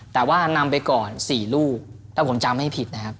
แต่ว่านำไปก่อน๔ลูกถ้าผมจำไม่ผิดนะครับ